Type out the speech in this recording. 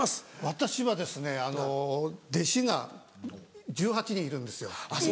私は弟子が１８人いるんですよ。